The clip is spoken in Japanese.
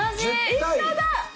一緒だ！